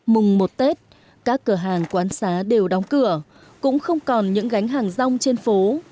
mùng một tết các cửa hàng quán xá đều đóng cửa cũng không còn những gánh hàng rong trên phố